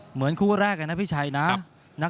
เหมือนคู่แรกเลยนะพี่ชัยนะ